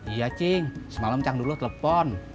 iya cing semalam cang dulu telepon